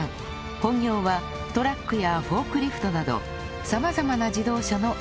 本業はトラックやフォークリフトなど様々な自動車の整備士さん